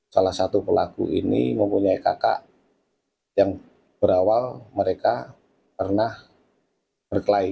salah satu pelaku ini mempunyai kakak yang berawal mereka pernah berkelahi